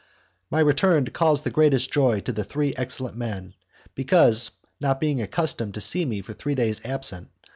My return caused the greatest joy to the three excellent men, because, not being accustomed to see me three days absent, M.